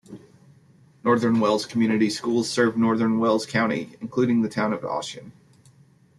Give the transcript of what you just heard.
Northern Wells Community Schools serves northern Wells County, including the town of Ossian.